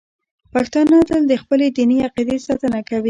پښتانه تل د خپلې دیني عقیدې ساتنه کوي.